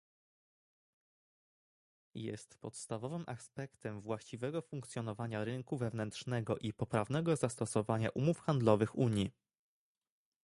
Jest podstawowym aspektem właściwego funkcjonowania rynku wewnętrznego i poprawnego zastosowania umów handlowych Unii